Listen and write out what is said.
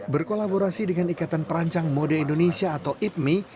berkolaborasi dengan ikatan perancang mode indonesia atau itmi